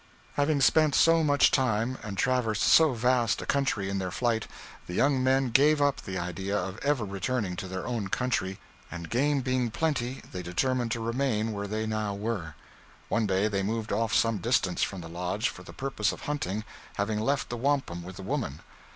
Having spent so much time and traversed so vast a country in their flight, the young men gave up the idea of ever returning to their own country, and game being plenty, they determined to remain where they now were. One day they moved off some distance from the lodge for the purpose of hunting, having left the wampum with the woman.